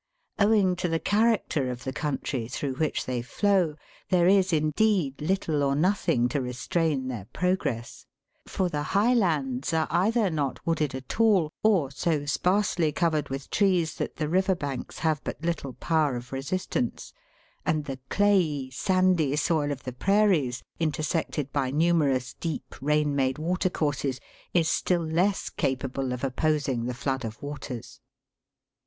Owing to the character of the country through which they flow there is indeed little or nothing to restrain their progress ; for the high lands are either not wooded at all, or so sparsely covered with trees, that the river banks have but little power of resistance, and the clayey, sandy soil of the prairies, intersected by numerous deep rain made watercourses, is still less capable of opposing the flood of waters.